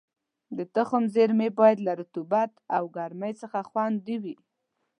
د تخم زېرمې باید له رطوبت او ګرمۍ څخه خوندي وي.